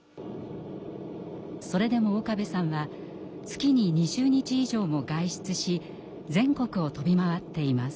それでも岡部さんは月に２０日以上も外出し全国を飛び回っています。